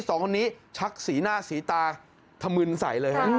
สองคนนี้ชักสีหน้าสีตาถมึนใสเลยฮะ